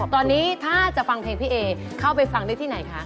ตอนนี้ถ้าจะฟังเพลงพี่เอเข้าไปฟังได้ที่ไหนคะ